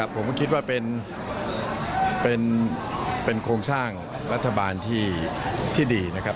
ผมคิดว่าเป็นโครงสร้างรัฐบาลที่ดีนะครับ